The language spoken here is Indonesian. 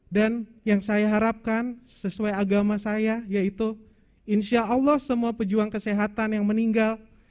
dan yang saya harapkan sesuai agama saya yaitu insyaallah semua pejuang kesehatan yang meninggal